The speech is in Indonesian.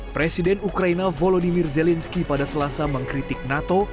presiden ukraina volodymyr zelensky pada selasa mengkritik nato